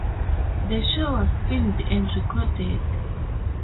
The show was filmed and recorded.